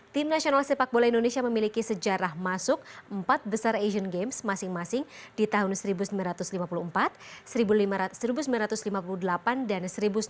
tim nasional sepak bola indonesia memiliki sejarah masuk empat besar asian games masing masing di tahun seribu sembilan ratus lima puluh empat seribu sembilan ratus lima puluh delapan dan seribu sembilan ratus delapan puluh